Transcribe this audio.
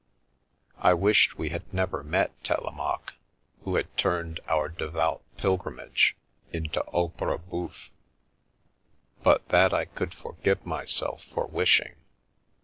I wished we had never met Telemaque, who had turned our "devout pilgrimage" into opera bouffe— but that I could forgive myself for wishing.